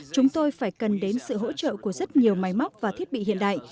chúng tôi phải cần đến sự hỗ trợ của rất nhiều máy móc và thiết bị hiện đại